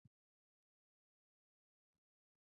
He subsequently moved to the Imperial Valley where he farmed.